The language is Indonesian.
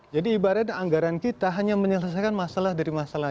jadi ibaratnya anggaran kita hanya menyelesaikan masalah dari masalah